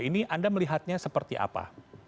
ini anda melihatnya seperti apa